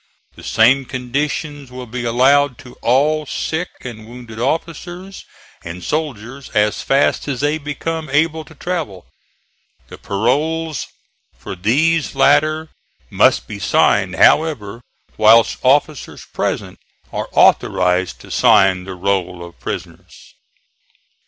The same conditions will be allowed to all sick and wounded officers and soldiers as fast as they become able to travel. The paroles for these latter must be signed, however, whilst officers present are authorized to sign the roll of prisoners."